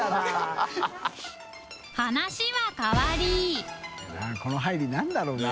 話は変わりこの入りなんだろうな？